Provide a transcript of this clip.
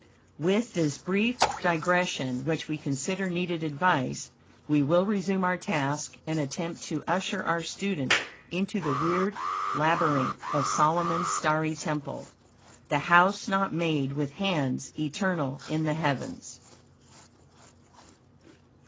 With this brief digression, which we consider needed advice, we will resume our task, and attempt to usher our student into the weird labyrinth of Solomon's starry temple "the house not made with hands, eternal in the heavens."